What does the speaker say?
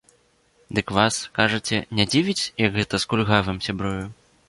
Дык вас, кажаце, не дзівіць, як гэта з кульгавым сябрую?